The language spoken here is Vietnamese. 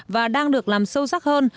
và đang được làm sâu sắc hơn